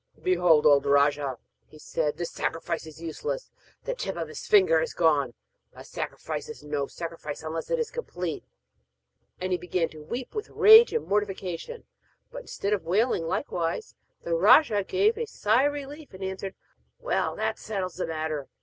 'Behold! O rajah,' he said, 'this sacrifice is useless, the tip of his finger is gone! A sacrifice is no sacrifice unless it is complete.' And he began to weep with rage and mortification. But of instead of wailing likewise, the rajah gave a sigh of relief, and answered: 'Well, that settles the matter.